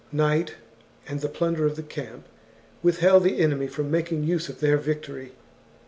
Night, and the plunder of the camp, withheld the enemy from making use of their victory.